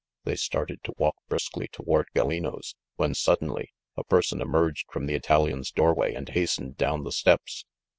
They started to walk briskly toward Gallino's, when suddenly a person emerged from the Italian's doorway and hastened down the steps.